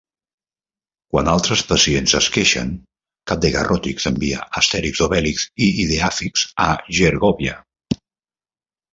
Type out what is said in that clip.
Quan altres pacients es queixen, Copdegarròtix envia Astèrix, Obèlix i Ideafix a Gergòvia.